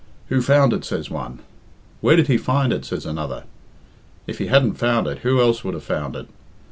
'Who found it!' says one. 'Where did he find it?' says another. 'If he hadn't found it, who else would have found it?'